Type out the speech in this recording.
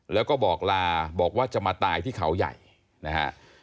แล้วก็บอกลาบอกว่าจะมาตายที่เขาใหญ่นะฮะ